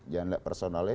jangan lihat persoalan lain